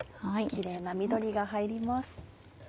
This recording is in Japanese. キレイな緑が入ります。